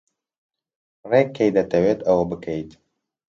ڕێک کەی دەتەوێت ئەوە بکەیت؟